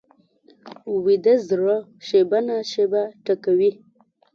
ویده زړه شېبه نا شېبه ټکوي